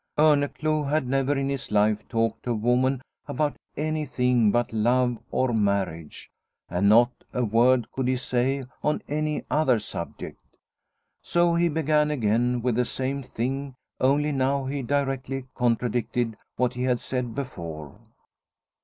Orneclou had never in his life talked to a woman about anything but love or Ensign Orneclou 179 marriage, and not a word could he say on any other subject. So he began again with the same thing, only now he directly contradicted what he had said before.